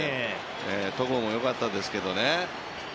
戸郷もよかったですけどね。